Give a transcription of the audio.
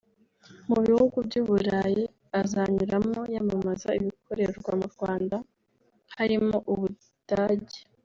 Mu bihugu by’Uburayi azanyuramo yamamaza ibikorerwa mu Rwanda harimo u Budage